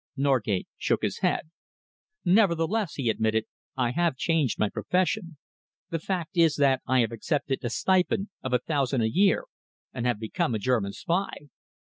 Norgate shook his head. "Nevertheless," he admitted, "I have changed my profession. The fact is that I have accepted a stipend of a thousand a year and have become a German spy."